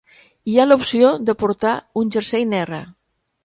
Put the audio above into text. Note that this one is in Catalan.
Hi ha la opció de portar un jersei negre.